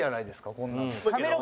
こんなの。